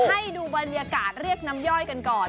ให้ดูบรรยากาศเรียกน้ำย่อยกันก่อน